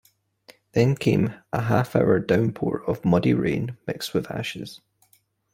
Then came a half-hour downpour of muddy rain mixed with ashes.